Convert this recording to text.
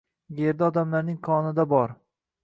yerda odamlarning qonida bor.